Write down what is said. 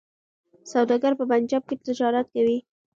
سوداګر په پنجاب کي تجارت کوي.